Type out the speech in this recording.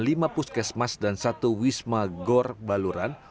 lima puskesmas dan satu wisma gor baluran